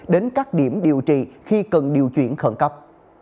đến các điểm điều trị khi cần điều chuyển khẩn cấp